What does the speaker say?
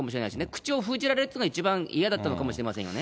口を封じられるというのは、一番嫌だったのかもしれませんよね。